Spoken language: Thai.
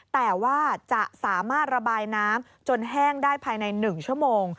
แต่ว่าจะสามารถระบายน้ำจนแห้งได้ภายใน๑ชั่วโมง